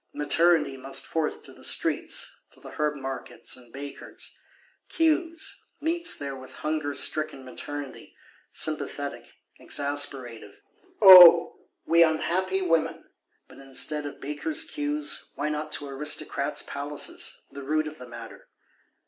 Maternity must forth to the streets, to the herb markets and Bakers'—queues; meets there with hunger stricken Maternity, sympathetic, exasperative. O we unhappy women! But, instead of Bakers' queues, why not to Aristocrats' palaces, the root of the matter?